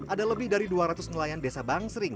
ada lebih dari dua ratus nelayan desa bang sling